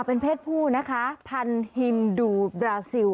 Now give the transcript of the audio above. เป็นเพศผู้นะคะพันธุ์ฮินดูบราซิล